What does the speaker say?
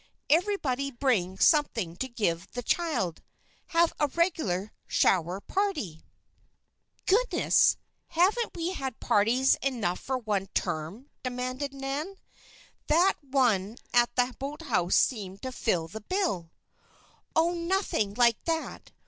Everybody bring something to give the child have a regular 'shower' party." "Goodness! haven't we had parties enough for one term?" demanded Nan. "That one at the boathouse seemed to fill the bill." "Oh, nothing like that!